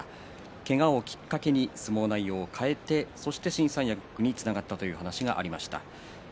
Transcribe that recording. けがをきっかけに相撲内容を変えてそして新三役につながったという話がありました。